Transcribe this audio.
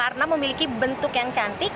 karena memiliki bentuk yang cantik